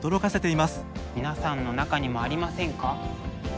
「皆さんの中にもありませんか？」。